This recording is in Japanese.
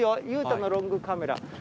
裕太のロングカメラ。